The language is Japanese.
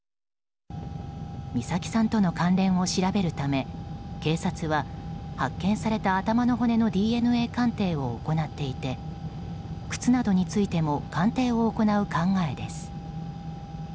美咲さんとの関連を調べるため警察は発見された頭の骨のＤＮＡ鑑定を行っていて靴などについても鑑定を行う考えです。